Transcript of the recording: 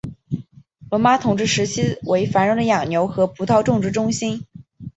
罗马统治时期为繁荣的养牛和葡萄种植中心。